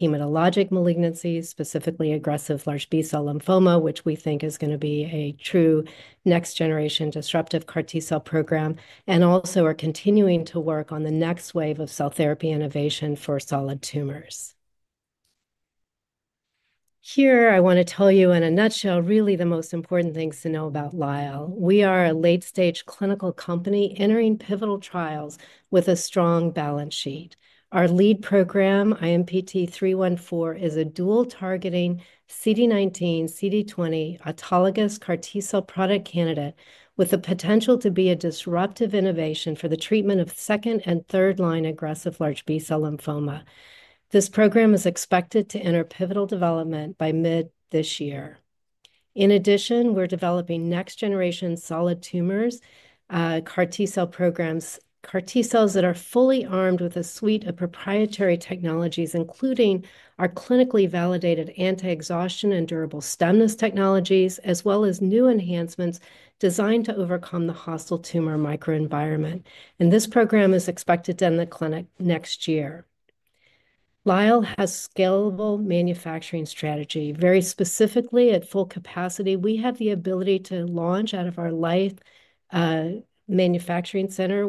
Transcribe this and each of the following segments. Hematologic malignancies, specifically aggressive large B-cell lymphoma, which we think is going to be a true next-generation disruptive CAR T-cell program, and also are continuing to work on the next wave of cell therapy innovation for solid tumors. Here, I want to tell you in a nutshell really the most important things to know about Lyell. We are a late-stage clinical company entering pivotal trials with a strong balance sheet. Our lead program, IMPT-314, is a dual-targeting CD19/CD20 autologous CAR T-cell product candidate with the potential to be a disruptive innovation for the treatment of second and third-line aggressive large B-cell lymphoma. This program is expected to enter pivotal development by mid this year. In addition, we're developing next-generation solid tumors, CAR T-cell programs, CAR T-cells that are fully armed with a suite of proprietary technologies, including our clinically validated anti-exhaustion and durable stemness technologies, as well as new enhancements designed to overcome the hostile tumor microenvironment. This program is expected to end the clinic next year. Lyell has scalable manufacturing strategy. Very specifically, at full capacity, we have the ability to launch out of our Lyell Manufacturing Center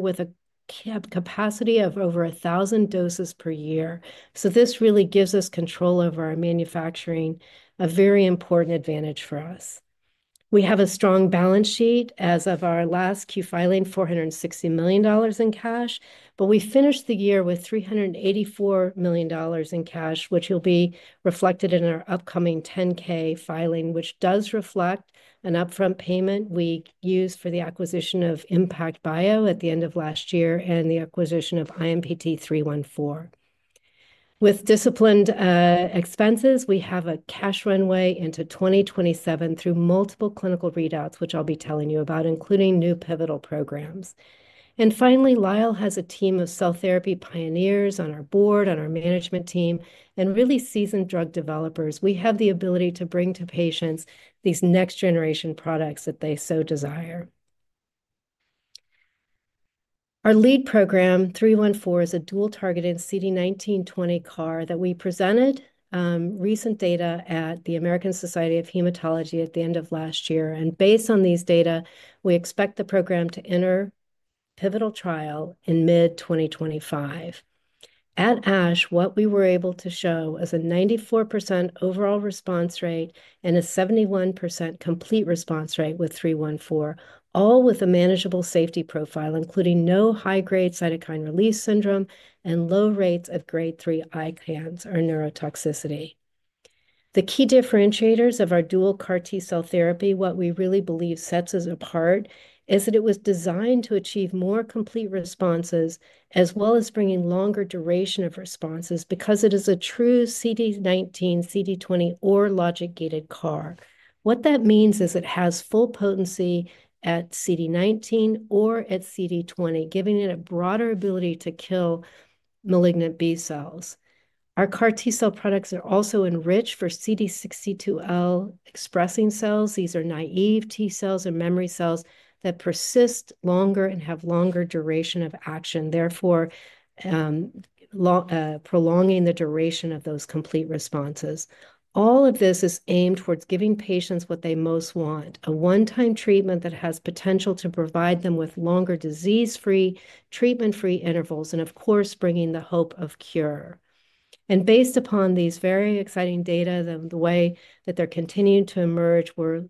with a capacity of over 1,000 doses per year. This really gives us control over our manufacturing, a very important advantage for us. We have a strong balance sheet as of our last 10-Q filing, $460 million in cash, but we finished the year with $384 million in cash, which will be reflected in our upcoming 10-K filing, which does reflect an upfront payment we used for the acquisition of ImmPACT Bio at the end of last year and the acquisition of IMPT-314. With disciplined expenses, we have a cash runway into 2027 through multiple clinical readouts, which I'll be telling you about, including new pivotal programs. Finally, Lyell has a team of cell therapy pioneers on our board, on our management team, and really seasoned drug developers. We have the ability to bring to patients these next-generation products that they so desire. Our lead program, 314, is a dual-targeting CD19/20 CAR that we presented recent data at the American Society of Hematology at the end of last year. Based on these data, we expect the program to enter pivotal trial in mid-2025. At ASH, what we were able to show is a 94% overall response rate and a 71% complete response rate with 314, all with a manageable safety profile, including no high-grade cytokine release syndrome and low rates of grade 3 ICANS or neurotoxicity. The key differentiators of our dual CAR T-cell therapy, what we really believe sets us apart, is that it was designed to achieve more complete responses as well as bringing longer duration of responses because it is a true CD19/CD20 or logic-gated CAR. What that means is it has full potency at CD19 or at CD20, giving it a broader ability to kill malignant B cells. Our CAR T-cell products are also enriched for CD62L expressing cells. These are naive T-cells and memory cells that persist longer and have longer duration of action, therefore prolonging the duration of those complete responses. All of this is aimed towards giving patients what they most want: a one-time treatment that has potential to provide them with longer disease-free, treatment-free intervals, and of course, bringing the hope of cure. Based upon these very exciting data, the way that they're continuing to emerge, we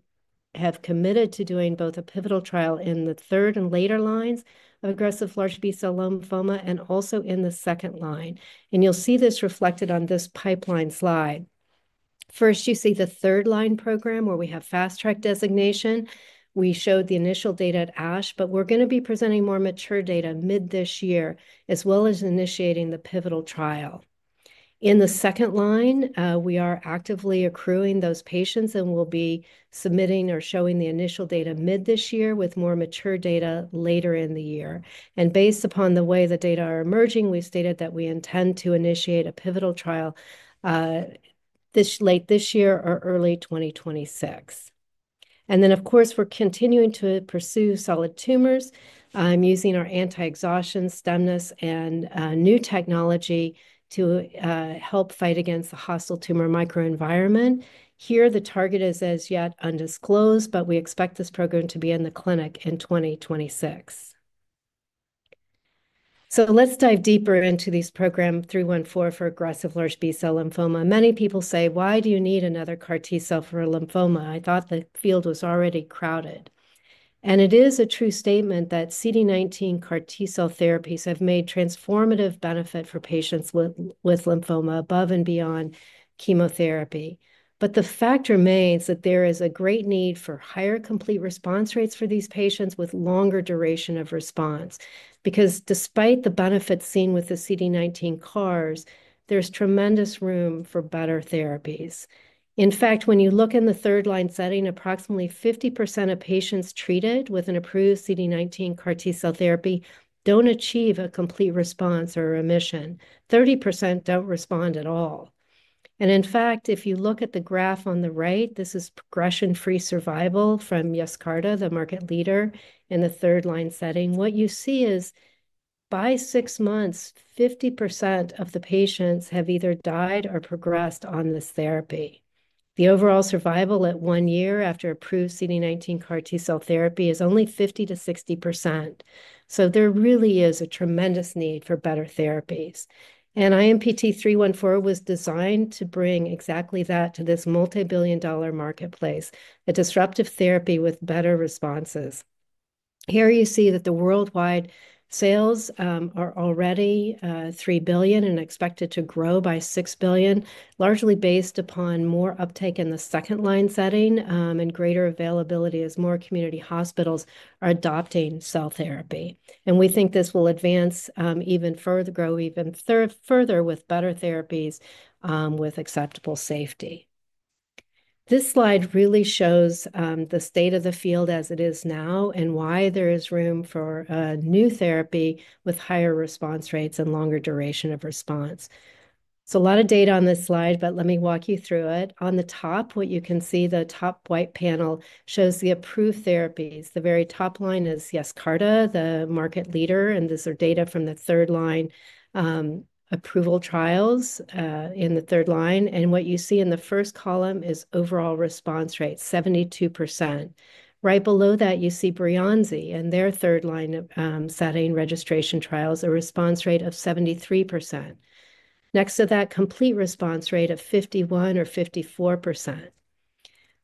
have committed to doing both a pivotal trial in the third and later lines of aggressive large B-cell lymphoma and also in the second line. You'll see this reflected on this pipeline slide. First, you see the third line program where we have fast-track designation. We showed the initial data at ASH, but we're going to be presenting more mature data mid this year, as well as initiating the pivotal trial. In the second line, we are actively accruing those patients and will be submitting or showing the initial data mid this year with more mature data later in the year. Based upon the way the data are emerging, we stated that we intend to initiate a pivotal trial late this year or early 2026. Of course, we are continuing to pursue solid tumors. I am using our anti-exhaustion, stemness, and new technology to help fight against the hostile tumor microenvironment. Here, the target is as yet undisclosed, but we expect this program to be in the clinic in 2026. Let us dive deeper into these program 314 for aggressive large B-cell lymphoma. Many people say, "Why do you need another CAR T-cell for a lymphoma? I thought the field was already crowded. It is a true statement that CD19 CAR T-cell therapies have made transformative benefit for patients with lymphoma above and beyond chemotherapy. The factor remains that there is a great need for higher complete response rates for these patients with longer duration of response. Because despite the benefits seen with the CD19 CARs, there is tremendous room for better therapies. In fact, when you look in the third line setting, approximately 50% of patients treated with an approved CD19 CAR T-cell therapy do not achieve a complete response or remission. 30% do not respond at all. In fact, if you look at the graph on the right, this is progression-free survival from Yescarta, the market leader in the third line setting. What you see is by six months, 50% of the patients have either died or progressed on this therapy. The overall survival at one year after approved CD19 CAR T-cell therapy is only 50%-60%. There really is a tremendous need for better therapies. IMPT-314 was designed to bring exactly that to this multi-billion dollar marketplace, a disruptive therapy with better responses. Here you see that the worldwide sales are already $3 billion and expected to grow by $6 billion, largely based upon more uptake in the second line setting and greater availability as more community hospitals are adopting cell therapy. We think this will advance even further, grow even further with better therapies with acceptable safety. This slide really shows the state of the field as it is now and why there is room for a new therapy with higher response rates and longer duration of response. It's a lot of data on this slide, but let me walk you through it. On the top, what you can see, the top white panel shows the approved therapies. The very top line is Yescarta, the market leader, and these are data from the third line approval trials in the third line. What you see in the first column is overall response rate, 72%. Right below that, you see Breyanzi and their third line setting registration trials, a response rate of 73%. Next to that, complete response rate of 51% or 54%.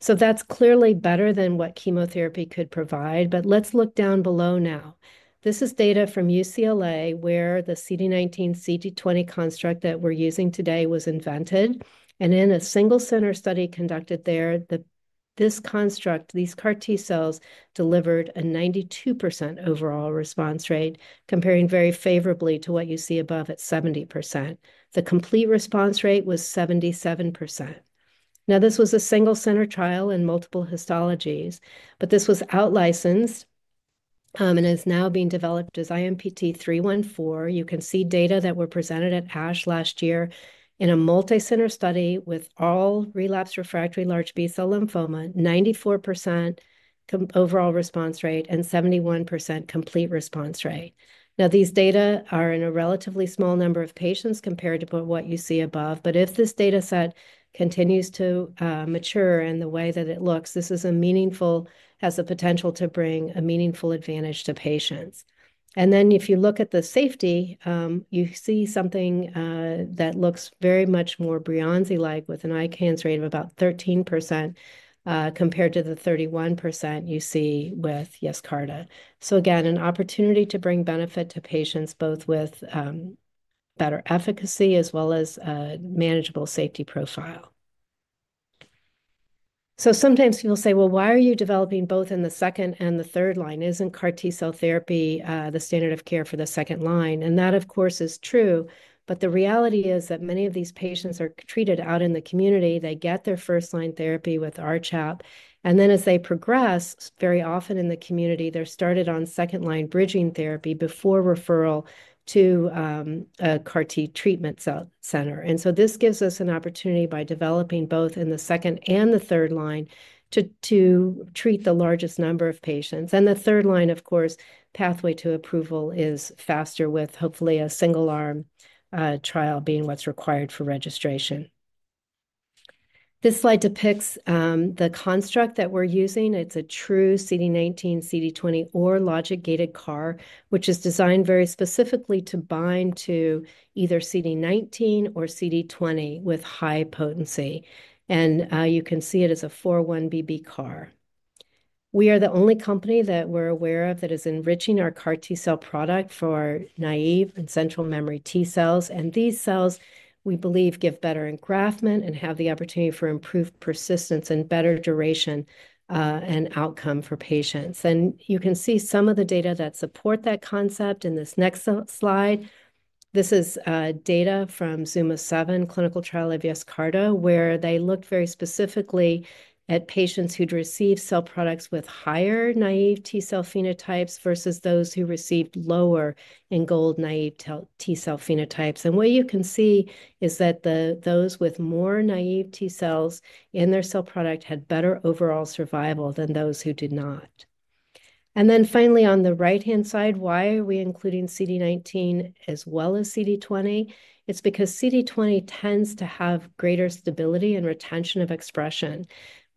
That's clearly better than what chemotherapy could provide. Let's look down below now. This is data from UCLA where the CD19/CD20 construct that we're using today was invented. In a single center study conducted there, this construct, these CAR T-cells delivered a 92% overall response rate, comparing very favorably to what you see above at 70%. The complete response rate was 77%. Now, this was a single center trial in multiple histologies, but this was outlicensed and is now being developed as IMPT-314. You can see data that were presented at ASH last year in a multi-center study with all relapsed refractory large B-cell lymphoma, 94% overall response rate and 71% complete response rate. Now, these data are in a relatively small number of patients compared to what you see above. If this data set continues to mature in the way that it looks, this is a meaningful, has the potential to bring a meaningful advantage to patients. If you look at the safety, you see something that looks very much more Breyanzi-like with an ICANS rate of about 13% compared to the 31% you see with Yescarta. Again, an opportunity to bring benefit to patients both with better efficacy as well as a manageable safety profile. Sometimes people say, "Well, why are you developing both in the second and the third line? Isn't CAR T-cell therapy the standard of care for the second line?" That, of course, is true. The reality is that many of these patients are treated out in the community. They get their first-line therapy with R-CHOP. As they progress, very often in the community, they're started on second-line bridging therapy before referral to a CAR T treatment center. This gives us an opportunity by developing both in the second and the third line to treat the largest number of patients. The third line, of course, pathway to approval is faster with hopefully a single-arm trial being what's required for registration. This slide depicts the construct that we're using. It's a true CD19/CD20 or logic-gated CAR, which is designed very specifically to bind to either CD19 or CD20 with high potency. You can see it as a 41BB CAR. We are the only company that we're aware of that is enriching our CAR T-cell product for naive and central memory T-cells. These cells, we believe, give better engraftment and have the opportunity for improved persistence and better duration and outcome for patients. You can see some of the data that support that concept in this next slide. This is data from the Zuma7 clinical trial of Yescarta, where they looked very specifically at patients who'd received cell products with higher naive T-cell phenotypes versus those who received lower, in gold, naive T-cell phenotypes. What you can see is that those with more naive T-cells in their cell product had better overall survival than those who did not. Finally, on the right-hand side, why are we including CD19 as well as CD20? It's because CD20 tends to have greater stability and retention of expression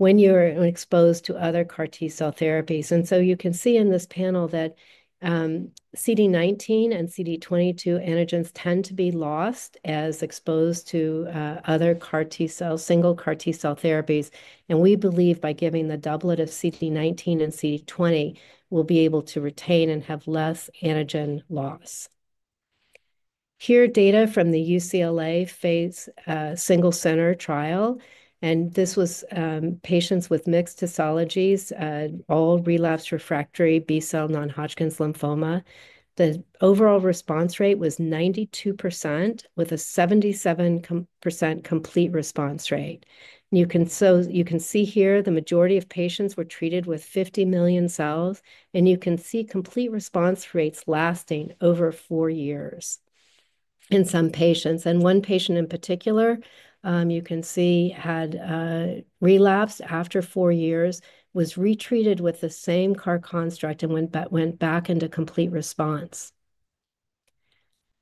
when you're exposed to other CAR T-cell therapies. You can see in this panel that CD19 and CD22 antigens tend to be lost as exposed to other CAR T-cell, single CAR T-cell therapies. We believe by giving the doublet of CD19 and CD20, we'll be able to retain and have less antigen loss. Here, data from the UCLA phase single center trial. This was patients with mixed histologies, all relapsed refractory B-cell non-Hodgkin's lymphoma. The overall response rate was 92% with a 77% complete response rate. You can see here the majority of patients were treated with 50 million cells, and you can see complete response rates lasting over four years in some patients. One patient in particular, you can see had relapsed after four years, was retreated with the same CAR construct and went back into complete response.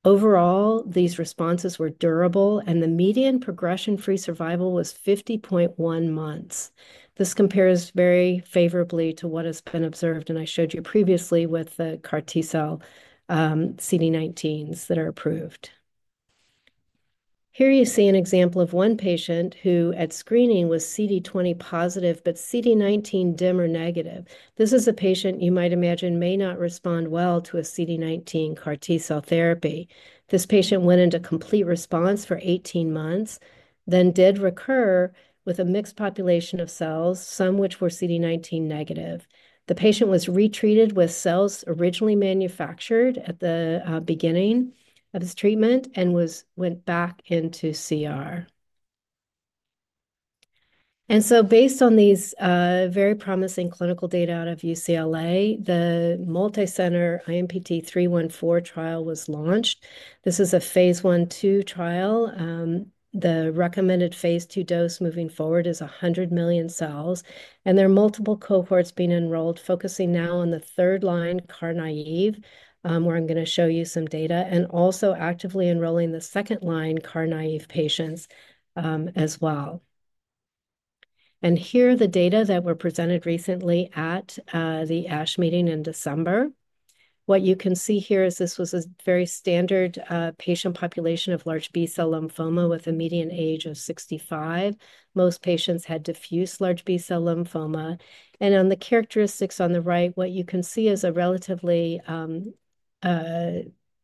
Overall, these responses were durable, and the median progression-free survival was 50.1 months. This compares very favorably to what has been observed, and I showed you previously with the CAR T-cell CD19s that are approved. Here you see an example of one patient who at screening was CD20 positive, but CD19 dim/negative. This is a patient, you might imagine, may not respond well to a CD19 CAR T-cell therapy. This patient went into complete response for 18 months, then did recur with a mixed population of cells, some which were CD19 negative. The patient was retreated with cells originally manufactured at the beginning of his treatment and went back into CR. Based on these very promising clinical data out of UCLA, the multi-center IMPT-314 trial was launched. This is a phase one two trial. The recommended phase two dose moving forward is 100 million cells. There are multiple cohorts being enrolled, focusing now on the third line CAR T-naïve, where I'm going to show you some data, and also actively enrolling the second line CAR T-naïve patients as well. Here are the data that were presented recently at the ASH meeting in December. What you can see here is this was a very standard patient population of large B-cell lymphoma with a median age of 65. Most patients had diffuse large B-cell lymphoma. On the characteristics on the right, what you can see is a relatively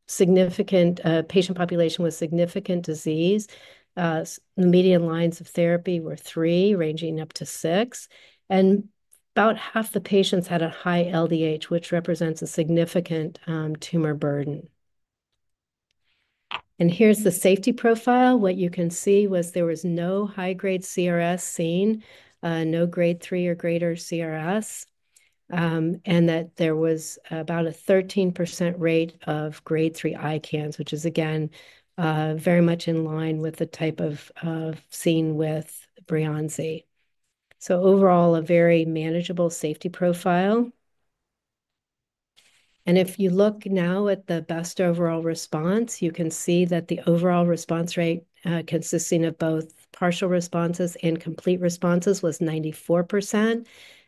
significant patient population with significant disease. The median lines of therapy were three, ranging up to six. About half the patients had a high LDH, which represents a significant tumor burden. Here is the safety profile. What you can see was there was no high-grade CRS seen, no grade three or greater CRS, and that there was about a 13% rate of grade three ICANS, which is again very much in line with the type seen with Breyanzi. Overall, a very manageable safety profile. If you look now at the best overall response, you can see that the overall response rate consisting of both partial responses and complete responses was 94%,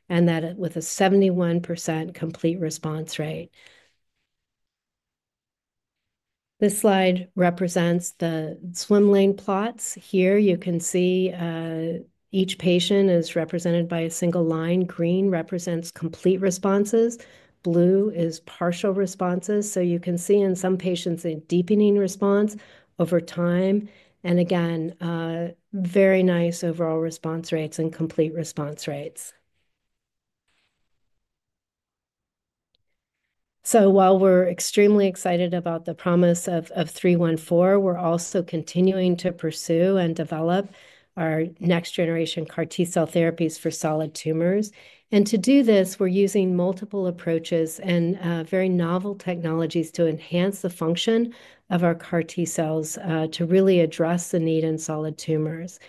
and that with a 71% complete response rate. This slide represents the swim lane plots. Here you can see each patient is represented by a single line. Green represents complete responses. Blue is partial responses. You can see in some patients, a deepening response over time. Again, very nice overall response rates and complete response rates. While we're extremely excited about the promise of 314, we're also continuing to pursue and develop our next generation CAR T-cell therapies for solid tumors. To do this, we're using multiple approaches and very novel technologies to enhance the function of our CAR T-cells to really address the need in solid tumors.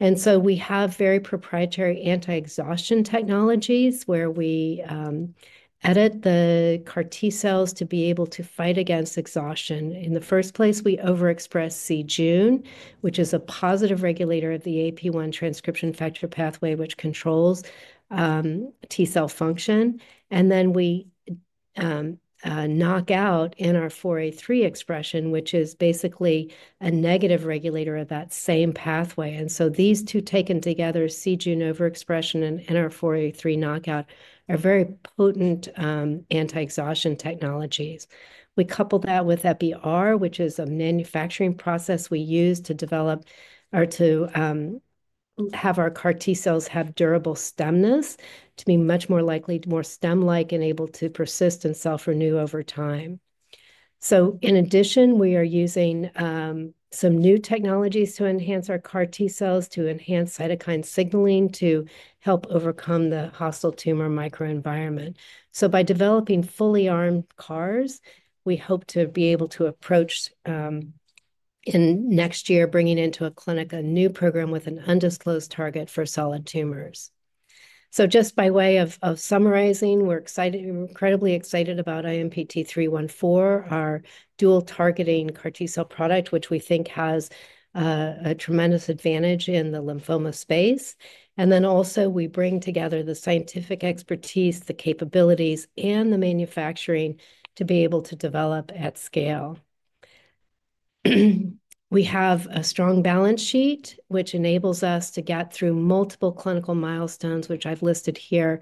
We have very proprietary anti-exhaustion technologies where we edit the CAR T-cells to be able to fight against exhaustion. In the first place, we overexpress c-Jun, which is a positive regulator of the AP-1 transcription factor pathway, which controls T-cell function. We knock out NR4A3 expression, which is basically a negative regulator of that same pathway. These two taken together, cJun overexpression and NR4A3 knockout, are very potent anti-exhaustion technologies. We couple that with EPR, which is a manufacturing process we use to develop or to have our CAR T-cells have durable stemness to be much more likely, more stem-like, and able to persist and self-renew over time. In addition, we are using some new technologies to enhance our CAR T-cells, to enhance cytokine signaling to help overcome the hostile tumor microenvironment. By developing fully armed CARs, we hope to be able to approach in next year, bringing into a clinic a new program with an undisclosed target for solid tumors. Just by way of summarizing, we're excited, incredibly excited about IMPT-314, our dual-targeting CAR T-cell product, which we think has a tremendous advantage in the lymphoma space. We bring together the scientific expertise, the capabilities, and the manufacturing to be able to develop at scale. We have a strong balance sheet, which enables us to get through multiple clinical milestones, which I've listed here,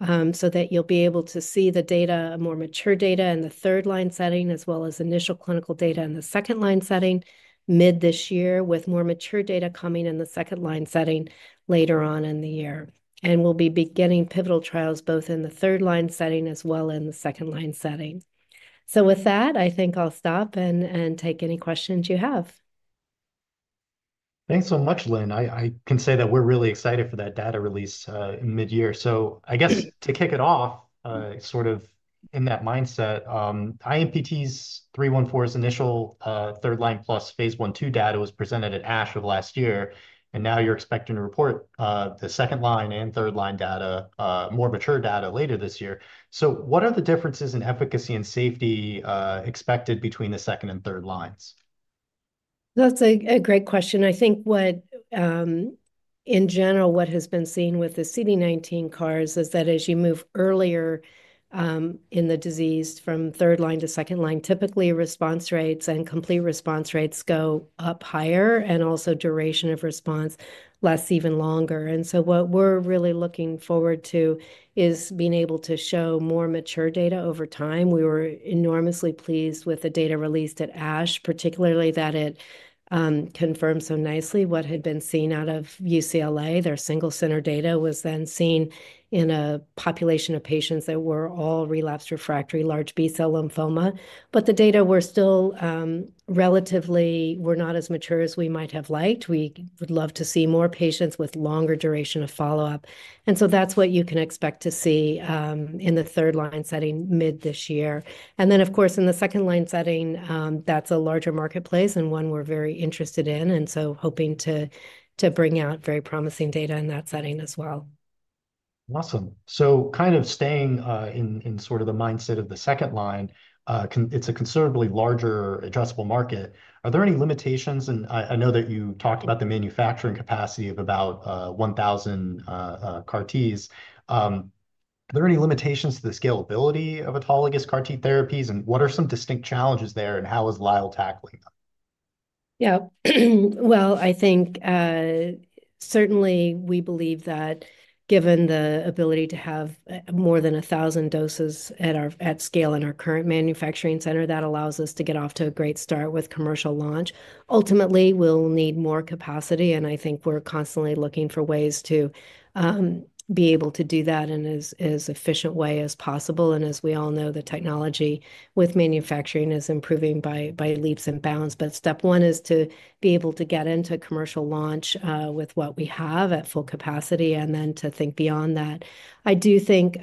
so that you'll be able to see the data, more mature data in the third line setting, as well as initial clinical data in the second line setting mid this year, with more mature data coming in the second line setting later on in the year. We'll be beginning pivotal trials both in the third line setting as well as in the second line setting. I think I'll stop and take any questions you have. Thanks so much, Lynn. I can say that we're really excited for that data release mid-year. To kick it off, sort of in that mindset, IMPT-314's initial third line plus phase one two data was presented at ASH of last year. Now you're expecting to report the second line and third line data, more mature data later this year. What are the differences in efficacy and safety expected between the second and third lines? That's a great question. I think in general, what has been seen with the CD19 CARs is that as you move earlier in the disease from third line to second line, typically response rates and complete response rates go up higher and also duration of response lasts even longer. What we're really looking forward to is being able to show more mature data over time. We were enormously pleased with the data released at ASH, particularly that it confirmed so nicely what had been seen out of UCLA. Their single center data was then seen in a population of patients that were all relapsed refractory large B-cell lymphoma. The data were still relatively, were not as mature as we might have liked. We would love to see more patients with longer duration of follow-up. That is what you can expect to see in the third line setting mid this year. In the second line setting, that is a larger marketplace and one we are very interested in. Hoping to bring out very promising data in that setting as well. Awesome. Kind of staying in sort of the mindset of the second line, it is a considerably larger addressable market. Are there any limitations? I know that you talked about the manufacturing capacity of about 1,000 CAR Ts. Are there any limitations to the scalability of autologous CAR T-cell therapies? What are some distinct challenges there? How is Lyell tackling them? Yeah. I think certainly we believe that given the ability to have more than 1,000 doses at scale in our current manufacturing center, that allows us to get off to a great start with commercial launch. Ultimately, we'll need more capacity. I think we're constantly looking for ways to be able to do that in as efficient a way as possible. As we all know, the technology with manufacturing is improving by leaps and bounds. Step one is to be able to get into commercial launch with what we have at full capacity and then to think beyond that. I do think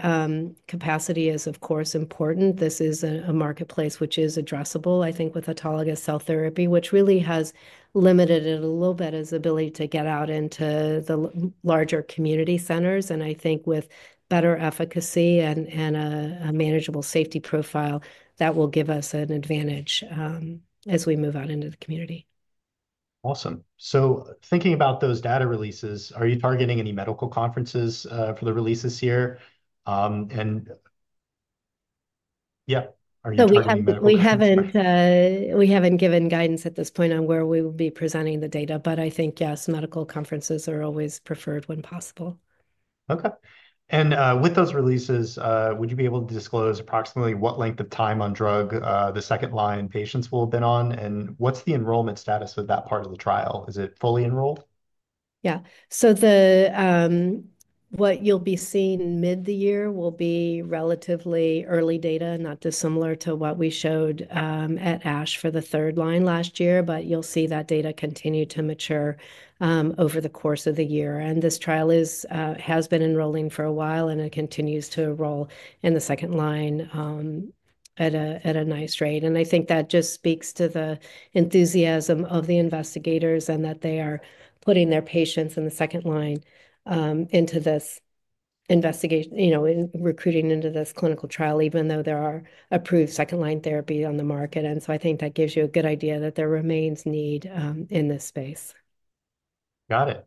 capacity is, of course, important. This is a marketplace which is addressable, I think, with autologous cell therapy, which really has limited it a little bit as the ability to get out into the larger community centers. I think with better efficacy and a manageable safety profile, that will give us an advantage as we move out into the community. Awesome. Thinking about those data releases, are you targeting any medical conferences for the releases here? Yeah, are you targeting any medical conferences? We haven't given guidance at this point on where we will be presenting the data, but I think, yes, medical conferences are always preferred when possible. Okay. With those releases, would you be able to disclose approximately what length of time on drug the second line patients will have been on? What is the enrollment status of that part of the trial? Is it fully enrolled? Yeah. What you will be seeing mid the year will be relatively early data, not dissimilar to what we showed at ASH for the third line last year, but you will see that data continue to mature over the course of the year. This trial has been enrolling for a while, and it continues to enroll in the second line at a nice rate. I think that just speaks to the enthusiasm of the investigators and that they are putting their patients in the second line into this investigation, recruiting into this clinical trial, even though there are approved second line therapies on the market. I think that gives you a good idea that there remains need in this space. Got it.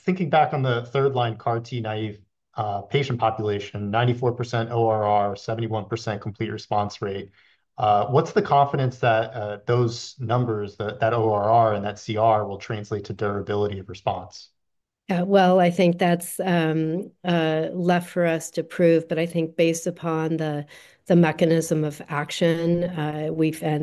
Thinking back on the third line CAR T-naïve patient population, 94% ORR, 71% complete response rate, what's the confidence that those numbers, that ORR and that CR will translate to durability of response? Yeah. I think that's left for us to prove. I think based upon the mechanism of action and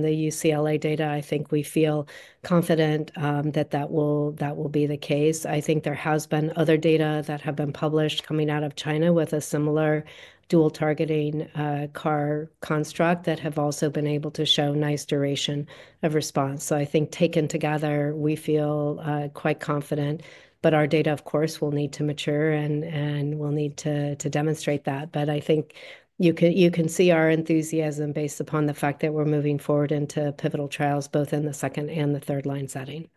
the UCLA data, I think we feel confident that that will be the case. I think there has been other data that have been published coming out of China with a similar dual-targeting CAR construct that have also been able to show nice duration of response. I think taken together, we feel quite confident. Our data, of course, will need to mature and will need to demonstrate that. I think you can see our enthusiasm based upon the fact that we're moving forward into pivotal trials both in the second and the third line setting.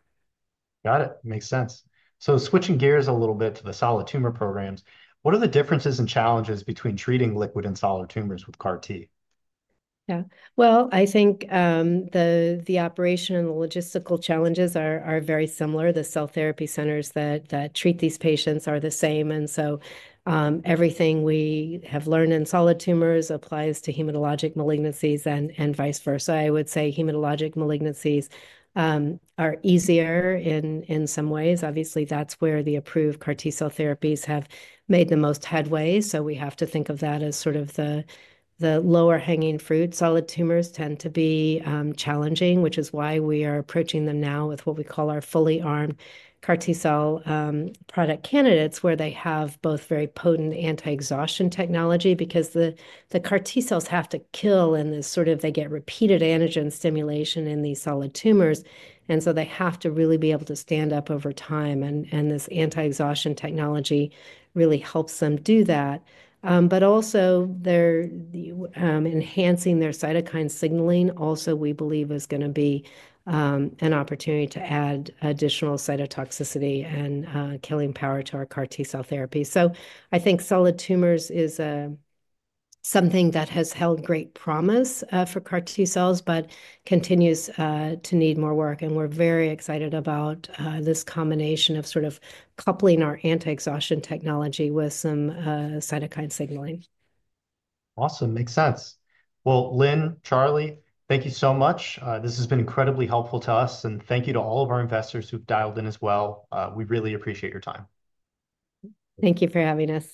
Got it. Makes sense. Switching gears a little bit to the solid tumor programs, what are the differences and challenges between treating liquid and solid tumors with CAR T? Yeah. I think the operation and the logistical challenges are very similar. The cell therapy centers that treat these patients are the same. Everything we have learned in solid tumors applies to hematologic malignancies and vice versa. I would say hematologic malignancies are easier in some ways. Obviously, that's where the approved CAR T-cell therapies have made the most headway. We have to think of that as sort of the lower hanging fruit. Solid tumors tend to be challenging, which is why we are approaching them now with what we call our fully armed CAR T-cell product candidates, where they have both very potent anti-exhaustion technology because the CAR T-cells have to kill in this sort of they get repeated antigen stimulation in these solid tumors. They have to really be able to stand up over time. This anti-exhaustion technology really helps them do that. Also, enhancing their cytokine signaling also we believe is going to be an opportunity to add additional cytotoxicity and killing power to our CAR T-cell therapy. I think solid tumors is something that has held great promise for CAR T-cells, but continues to need more work. We are very excited about this combination of sort of coupling our anti-exhaustion technology with some cytokine signaling. Awesome. Makes sense. Lynn, Charlie, thank you so much. This has been incredibly helpful to us. Thank you to all of our investors who've dialed in as well. We really appreciate your time. Thank you for having us.